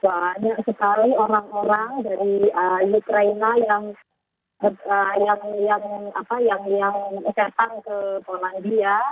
banyak sekali orang orang dari ukraina yang setan ke polandia